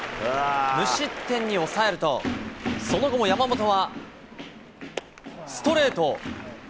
無失点に抑えると、その後も山本は、ストレート。